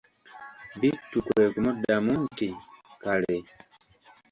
Bittu kwe kumuddamu nti:"kale"